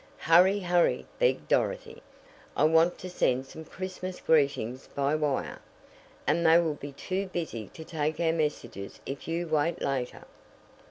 "Hurry! hurry!" begged Dorothy. "I want to send some Christmas greetings by wire, and they will be too busy to take our messages if you wait later."